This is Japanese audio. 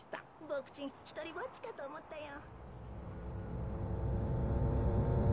ボクちんひとりぼっちかとおもったよ。